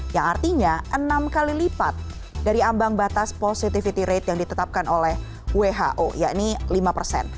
yang artinya enam kali lipat dari ambang batas positivity rate yang ditetapkan oleh who yakni lima persen